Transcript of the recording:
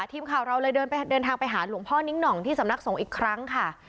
ทีมข่าวเราเลยเดินทางไปหาหลวงพ่อนิ้งหน่องที่สำนักสงฆ์อีกครั้งค่ะ